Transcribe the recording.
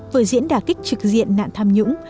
vợ diễn đà kích trực diện nạn tham nhũng